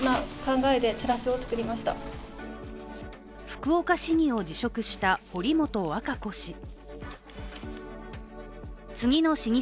福岡市議を辞職した堀本和歌子市議。